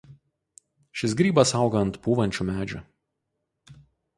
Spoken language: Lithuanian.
Šis grybas auga ant pūvančių medžių.